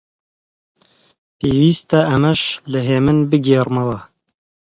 پێویستە ئەمەش لە هێمن بگێڕمەوە: